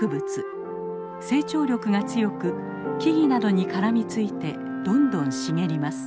成長力が強く木々などに絡みついてどんどん茂ります。